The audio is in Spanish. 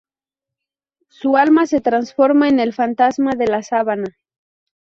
Su alma se transforma en el fantasma de la sabana.